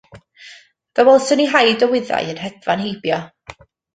Fe welson ni haid o wyddau yn hedfan heibio.